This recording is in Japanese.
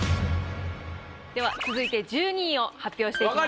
続いて１２位を発表していきます。